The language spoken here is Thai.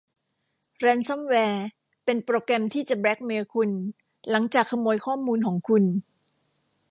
แรนซัมแวร์เป็นโปรแกรมที่จะแบลค์เมล์คุณหลังจากขโมยข้อมูลของคุณ